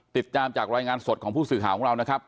ติดตามจากรายงานสดของผู้สื่อข่าวของเรานะครับ